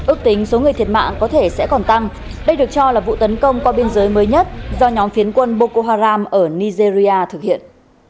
ước tính số người thiệt mạng có thể sẽ còn tăng đây được cho là vụ tấn công qua biên giới mới nhất do nhóm phiến quân bokoharam ở nigeria thực hiện